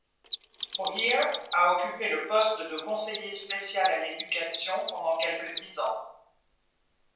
O’Hear a occupé le poste de conseiller spécial à l'éducation pendant quelque dix ans.